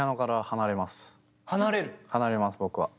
離れます僕は。